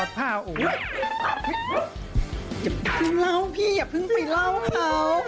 อย่าเพิ่งเล่าพี่อย่าเพิ่งไปเล่าเขา